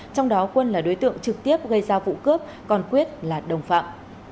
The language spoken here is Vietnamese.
trong đó quân là đối tượng trực tiếp gây ra vụ cướp còn quyết là đồng phạm